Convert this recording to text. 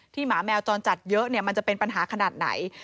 หมาแมวจรจัดเยอะมันจะเป็นปัญหาขนาดไหน